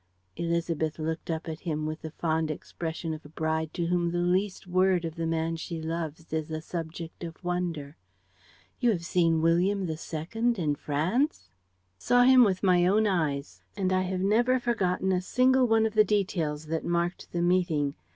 ..." Élisabeth looked up at him with the fond expression of a bride to whom the least word of the man she loves is a subject of wonder: "You have seen William II. in France?" "Saw him with my own eyes; and I have never forgotten a single one of the details that marked the meeting.